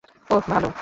ওহ, ভালো।